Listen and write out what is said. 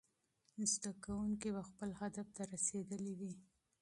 زده کوونکي به خپل هدف ته رسېدلي وي.